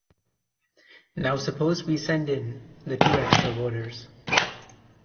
Now suppose we send in the two extra voters.